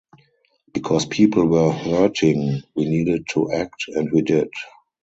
Because people were hurting. We needed to act, and we did.